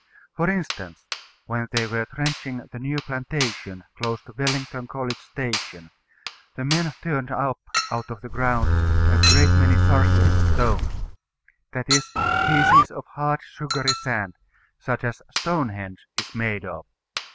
For instance: When they were trenching the new plantation close to Wellington College station, the men turned up out of the ground a great many Sarsden stones; that is, pieces of hard sugary sand, such as Stonehenge is made of.